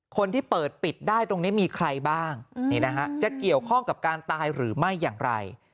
คนที่เปิดปิดได้ตรงนี้มีใครบ้างจะเกี่ยวข้องกับการตายหรือไม่อย่างไร